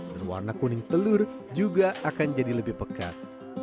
dan warna kuning telur juga akan jadi lebih pekat